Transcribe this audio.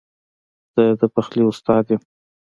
زه د پخلي استاد یم